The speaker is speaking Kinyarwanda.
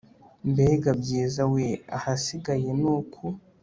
mbega byiza we ahasigaye nuku